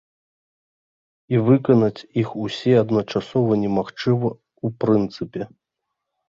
І выканаць іх усе адначасова немагчыма ў прынцыпе.